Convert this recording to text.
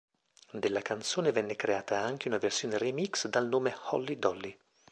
Della canzone venne creata anche una versione remix dal nome "Holly Dolly".